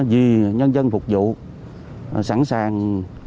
vì nhân dân phục vụ sẵn sàng